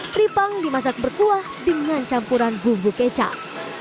tripang dimasak berkuah dengan campuran bumbu kecap